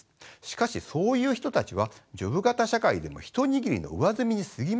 しかしそういう人たちはジョブ型社会でも一握りの上澄みにすぎません。